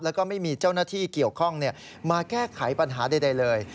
แล้วก็ไม่มีเจ้าหน้าที่เกี่ยวข้องมาแก้ไขปัญหาใดเลย